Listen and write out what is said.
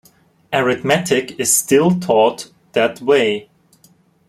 Arithmetic is still taught that way.